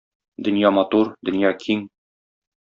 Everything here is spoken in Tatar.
Дөнья матур, дөнья киң...